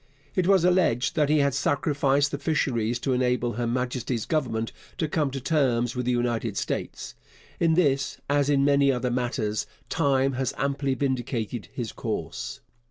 It was alleged that he had sacrificed the fisheries to enable Her Majesty's government to come to terms with the United States. In this, as in many other matters, time has amply vindicated his course.